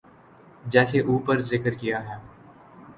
جیسے اوپر ذکر کیا ہے۔